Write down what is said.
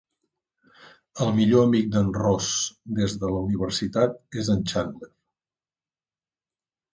El millor amic d'en Ross des de la universitat és en Chandler.